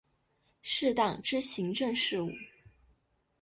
适当之行政事务